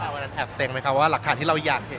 วันนั้นแอบเซ็งไหมคะว่าหลักฐานที่เราอยากเห็น